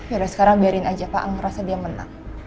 yaudah sekarang biarin aja pak al ngerasa dia menang